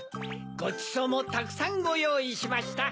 ごちそうもたくさんごよういしました。